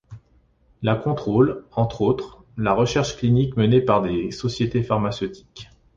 La contrôle, entre autres, la recherche clinique menée par des sociétés pharmaceutiques.